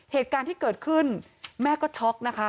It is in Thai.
เหตุการณ์ที่เกิดขึ้นแม่ก็ช็อกนะคะ